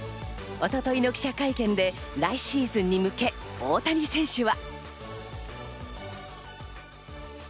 一昨日の記者会見で来シーズンに向け大谷選手は。